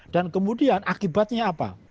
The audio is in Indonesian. dan kemudian akibatnya apa